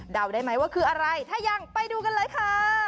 ได้ไหมว่าคืออะไรถ้ายังไปดูกันเลยค่ะ